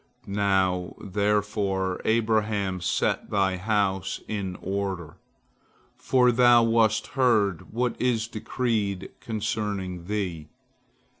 Now, therefore, Abraham, set thy house in order, for thou wast heard what is decreed concerning thee."